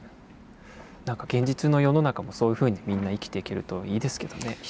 何か現実の世の中もそういうふうにみんな生きていけるといいですけどね。